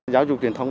giáo dục truyền thống